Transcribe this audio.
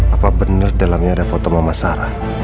apa benar dalamnya ada foto mama sarah